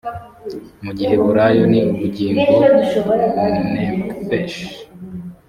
mu giheburayo ni ubugingo nephesh